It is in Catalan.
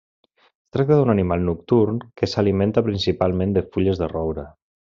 Es tracta d'un animal nocturn que s'alimenta principalment de fulles de roure.